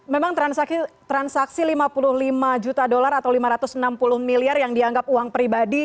memang transaksi lima puluh lima juta dolar atau lima ratus enam puluh miliar yang dianggap uang pribadi